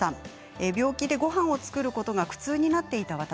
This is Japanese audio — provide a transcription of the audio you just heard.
病気でごはんを作ることが苦痛になっていた私。